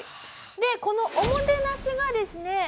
このおもてなしがですね